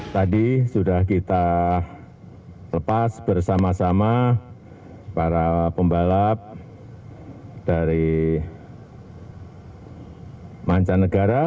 tadi sudah kita lepas bersama sama para pembalap dari mancanegara